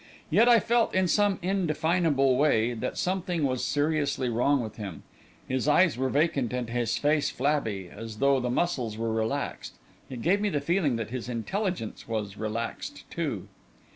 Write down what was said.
Yet I felt, in some indefinable way, that something was seriously wrong with him. His eyes were vacant and his face flabby, as though the muscles were relaxed. It gave me the feeling that his intelligence was relaxed, too!